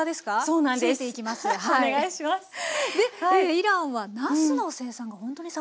イランはなすの生産がほんとに盛んなんですってね。